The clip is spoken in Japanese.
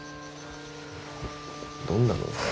どんなの？